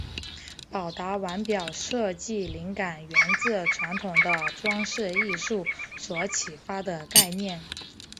宝达腕表设计灵感源自传统的装饰艺术所启发的概念。